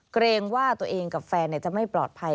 เกรงว่าตัวเองกับแฟนจะไม่ปลอดภัย